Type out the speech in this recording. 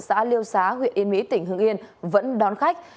xã liêu xá huyện yên mỹ tỉnh hưng yên vẫn đón khách